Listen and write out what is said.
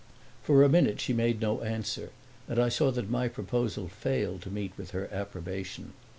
For a minute she made no answer, and I saw that my proposal failed to meet with her approbation.